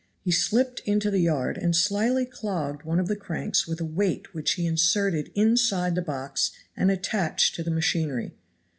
He slipped into the yard and slyly clogged one of the cranks with a weight which he inserted inside the box and attached to the machinery.